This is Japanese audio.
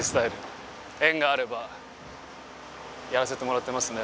縁があればやらせてもらってますね。